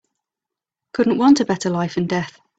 Couldn't want a better life and death.